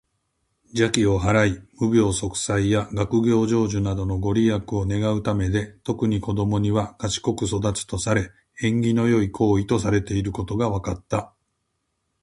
邪気を払い、無病息災や学業成就などのご利益を願うためで、特に子どもには「賢く育つ」とされ、縁起の良い行為とされていることが分かった。